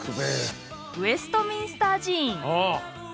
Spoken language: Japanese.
ウェストミンスター寺院。